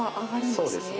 そうですね